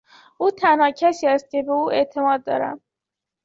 او تنها کسی است که به او اعتماد دارم.